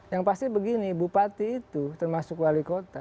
yang pasti begini bupati itu termasuk wali kota